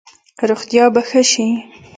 روغتیا به ښه شي؟